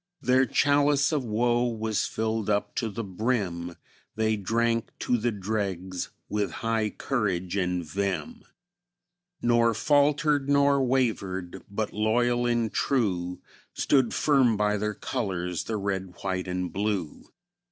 Their chalice of woe was filled up to the brim; They drank to the dregs with high courage and vim, Nor faltered, nor wavered, but loyal and true, Stood firm by their colors, the red, white and blue.